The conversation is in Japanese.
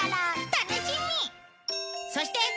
楽しみ！